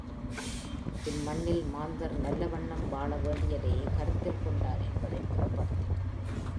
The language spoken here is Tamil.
இம்மண்ணில் மாந்தர் நல்ல வண்ணம் வாழ வேண்டியதையே கருத்தில் கொண்டார் என்பதைப் புலப்படுத்தும்.